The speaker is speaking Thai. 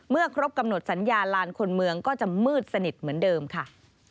ครบกำหนดสัญญาลานคนเมืองก็จะมืดสนิทเหมือนเดิมค่ะ